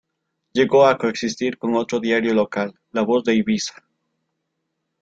Llegó a coexistir con otro diario local, "La Voz de Ibiza".